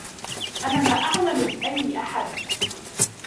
أنا لا أعمل لأي أحد.